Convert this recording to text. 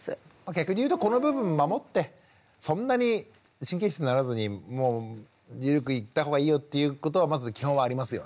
逆に言うとこの部分を守ってそんなに神経質にならずに緩くいった方がいいよっていうことはまず基本はありますよね。